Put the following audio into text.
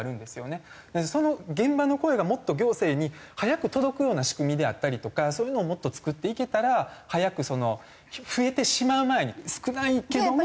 その現場の声がもっと行政に早く届くような仕組みであったりとかそういうのをもっと作っていけたら早く増えてしまう前に少ないけども。